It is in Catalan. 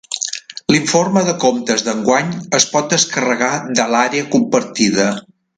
L'informe de comptes d'enguany es pot descarregar de l'àrea compartida.